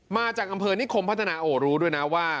มาจากอำเภอนิคมพัฒนาโอ้รู้ด้วยนะว่า